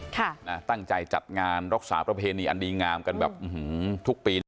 ค่ะนะตั้งใจจัดงานรักษาประเพณีอันดีงามกันแบบอื้อหือทุกปี